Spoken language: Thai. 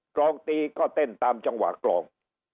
รองตีก็เต้นตามจังหวะกรอง